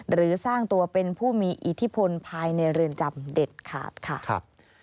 หรือสร้างตัวเป็นผู้มีอิทธิพลภายในเรือนจำเด็ดขาดค่ะ